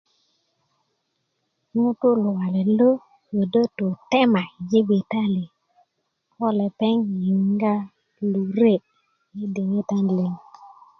ŋutu luwalet lo kodo tu i tema i jibitalia ko lepeŋ yinga lure' i diŋitan liŋ